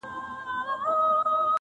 ته وا خوشي په لمنو کي د غرو سوه -